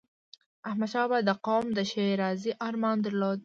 احمدشاه بابا د قوم د ښېرازی ارمان درلود.